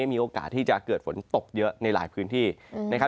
ไม่มีโอกาสที่จะเกิดฝนตกเยอะในหลายพื้นที่